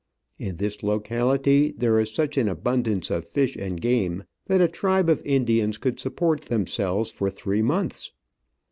In this locality there is such an abundance of fish and game that a tribe of Indians could support themselves for three months.